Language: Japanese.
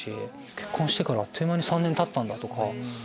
結婚してからあっという間に３年たったんだ！とか。